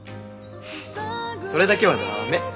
それだけは駄目。